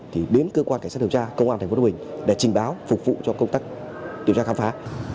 thì đến cơ quan cảnh sát điều tra công an tp hcm để trình báo phục vụ cho công tác điều tra khám phá